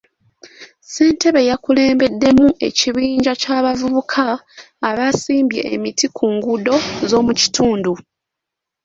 Ssentebe yakulembeddemu ekibinja ky'abavubuka abaasimbye emiti ku nguudo z'omu kitundu.